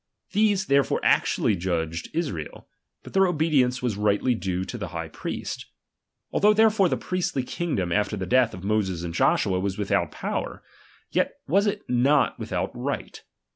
These therefore actually judged Israel ; but their obedience was rightly due to the high priest. Although therefore the priestly king dom, after the death of Moses and Joshua, was without power ; yet was it not without right.